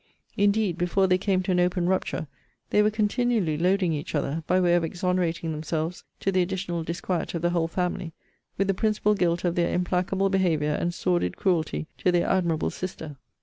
Indeed, before they came to an open rupture, they were continually loading each other, by way of exonerating themselves (to the additional disquiet of the whole family) with the principal guilt of their implacable behaviour and sordid cruelty to their admirable sister.